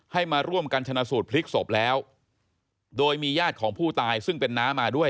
ให้มาร่วมกันชนะสูตรพลิกศพแล้วโดยมีญาติของผู้ตายซึ่งเป็นน้ามาด้วย